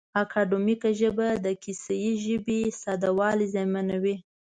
اکاډیمیکه ژبه د کیسه یي ژبې ساده والی زیانمنوي.